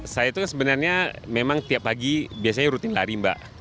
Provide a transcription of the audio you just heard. saya itu sebenarnya memang tiap pagi biasanya rutin lari mbak